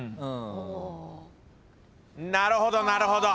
なるほどなるほど。